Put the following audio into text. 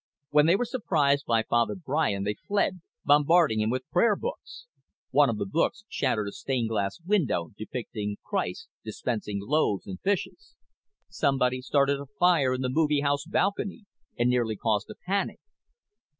When they were surprised by Father Brian they fled, bombarding him with prayer books. One of the books shattered a stained glass window depicting Christ dispensing loaves and fishes. Somebody started a fire in the movie house balcony and nearly caused a panic.